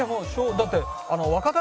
だって。